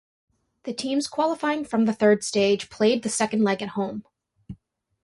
The teams qualifying from the third stage played the second leg at home.